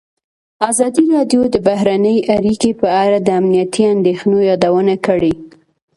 ازادي راډیو د بهرنۍ اړیکې په اړه د امنیتي اندېښنو یادونه کړې.